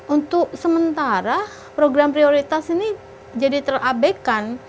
untuk sementara program prioritas ini jadi terabekan